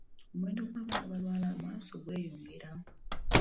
Omuwendo gw'abaana abalwala amaaso gweyongera.